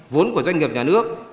vốn của doanh nghiệp nhà nước